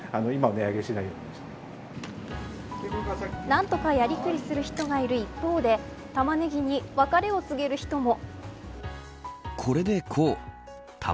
何とかやりくりする人がいる一方でタマネギに別れを告げる人も。